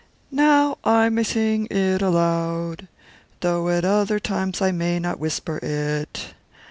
'Now I may sing it out aloud, though at other times I may not whisper it.